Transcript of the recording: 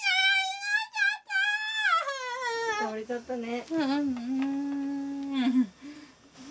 倒れちゃったね。